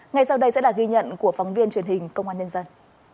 ngay sau đây sẽ là ghi nhận của phóng viên truyền hình công an nhân dân